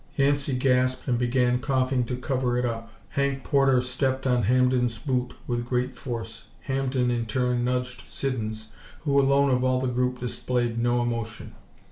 Yancey gasped, and began coughing to cover it up. Hank Porter stepped on Hampden's boot with great force. Hampden in turn nudged Siddons, who alone of all the group displayed no emotion.